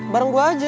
bareng gue aja